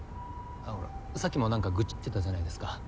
あのほらさっきも何か愚痴ってたじゃないですか